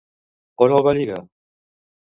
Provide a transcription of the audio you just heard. On el va lligar?